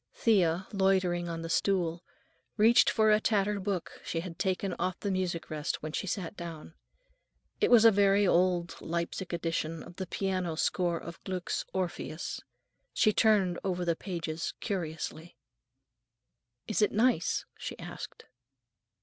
Thea, loitering on the stool, reached for a tattered book she had taken off the music rest when she sat down. It was a very old Leipsic edition of the piano score of Gluck's "Orpheus." She turned over the pages curiously. "Is it nice?" she asked.